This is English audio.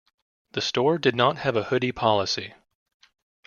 The store did not have a hoodie policy.